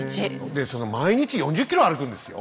で毎日４０ｋｍ歩くんですよ？